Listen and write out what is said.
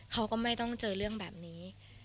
เขาก็ไม่ต้องเจอเรื่องแบบนี้